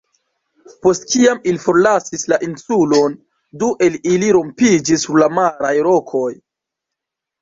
Post kiam ili forlasis la insulon, du el ili rompiĝis sur la maraj rokoj.